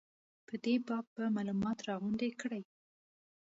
په دې باب به معلومات راغونډ کړي.